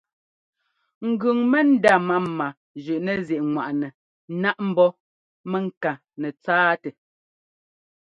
Ŋgʉŋ mɛndá máma zʉꞌnɛzíꞌŋwaꞌnɛ náꞌ ḿbɔ́ mɛŋká nɛtsáatɛ.